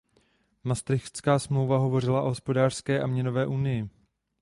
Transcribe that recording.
Maastrichtská smlouva hovořila o hospodářské a měnové unii.